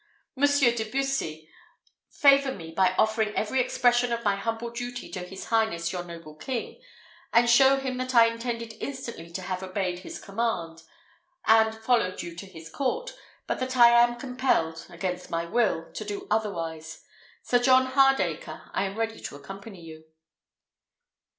Monsieur de Bussy, favour me by offering every expression of my humble duty to his highness your noble king; and show him that I intended instantly to have obeyed his commands, and followed you to his court, but that I am compelled, against my will, to do otherwise. Sir John Hardacre, I am ready to accompany you."